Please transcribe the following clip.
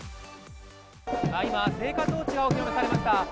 今、聖火トーチがお披露目されました。